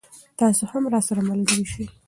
تاسې هم راسره ملګری شئ.